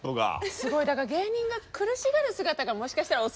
すごいだから芸人が苦しがる姿がもしかしたらお好きなのかも。